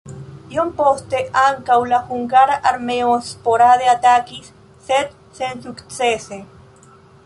Iom poste ankaŭ la hungara armeo sporade atakis, sed sensukcese.